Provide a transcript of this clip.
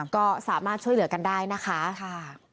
ก็สามารถช่วยเหลือกันได้นะคะ